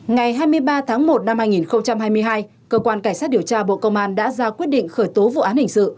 ngày hai mươi ba tháng một năm hai nghìn hai mươi hai cơ quan cảnh sát điều tra bộ công an đã ra quyết định khởi tố vụ án hình sự